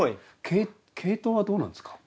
「毛糸」はどうなんですか？